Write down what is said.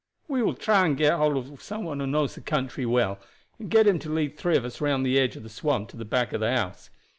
We will try and get hold of some one who knows the country well, and get him to lead three of us round through the edge of the swamp to the back of the house.